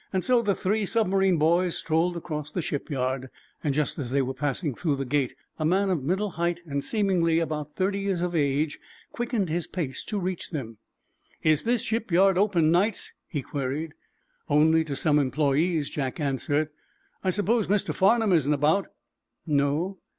So the three submarine boys strolled across the shipyard. Just as they were passing through the gate a man of middle height and seemingly about thirty years of age quickened his pace to reach them. "Is this shipyard open nights?" he queried. "Only to some employees," Jack answered. "I suppose Mr. Farnum isn't about?" "No."